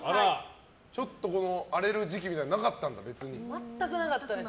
ちょっと荒れる時期みたいなの全くなかったです。